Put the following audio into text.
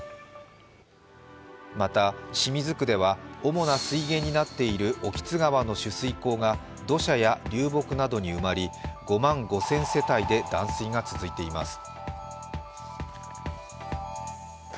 また清水区では主な水源になっている興津川の取水口が土砂や流木などに埋まり５万５０００世帯で断水が続いています。